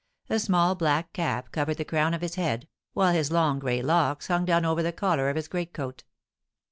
A small black cap covered the crown of his head, while his long gray locks hung down over the collar of his greatcoat.